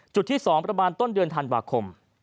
จุดที่๒ประมาณต้นเดือนธันวาคม